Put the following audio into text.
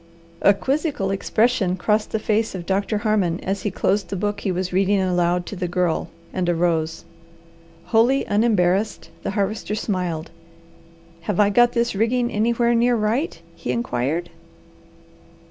A quizzical expression crossed the face of Doctor Harmon as he closed the book he was reading aloud to the Girl and arose. Wholly unembarrassed the Harvester smiled. "Have I got this rigging anywhere near right?" he inquired.